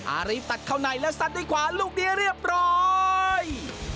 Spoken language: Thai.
อารีตัดเข้าในแล้วซัดด้วยขวาลูกนี้เรียบร้อย